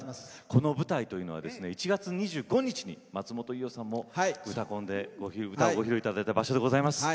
この舞台では１月２５日に松本伊代さんも「うたコン」で歌をご披露いただいた場所です。